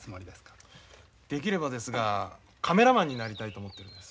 できればですがカメラマンになりたいと思ってるんです。